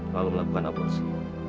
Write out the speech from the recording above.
lalu melakukan aborsi